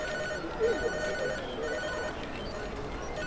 THE ILIAD OF SANDY BAR.